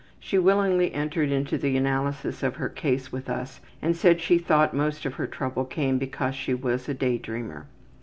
She willingly entered into the analysis of her case with us and said she thought most of her trouble came because she was a day dreamer.